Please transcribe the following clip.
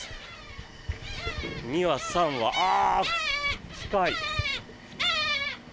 ２羽、３羽ああ、近い！